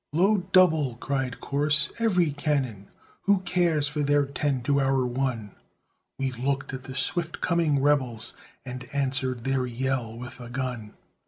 "Load double," cried Corse, "every cannon; Who cares for their ten to our one?" We looked at the swift coming rebels, And answered their yell with a gun.